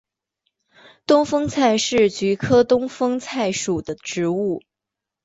东风菜是菊科东风菜属的植物。